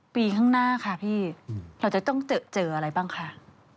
ปีข้างหน้าค่ะพี่เราจะต้องเจออะไรบ้างคะ